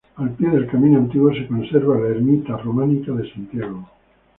Al pie del camino antiguo se conserva las "ermita románica de Santiago".